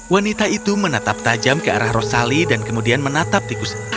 wanita itu menatap tajam ke arah rosali dan kemudian menatap tikus